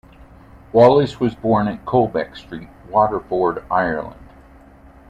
Wallace was born at Colbeck Street, Waterford, Ireland.